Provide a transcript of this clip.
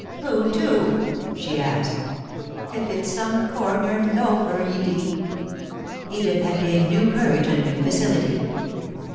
"Who to?" she asked. "If it's some corner loafer, Edie " Edith had gained new courage and new facility.